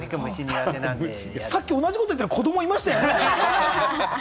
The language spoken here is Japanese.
さっき同じこと言ってる子どもいましたよね。